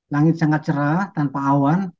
langit sangat cerah tanpa awan